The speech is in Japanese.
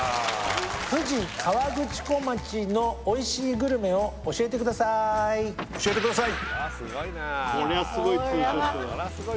富士河口湖町のおいしいグルメを教えてください教えてください